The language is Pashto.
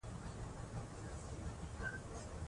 فعالیت د بدن انرژي زیاتوي.